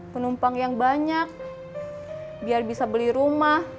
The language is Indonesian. penumpang yang banyak biar bisa beli rumah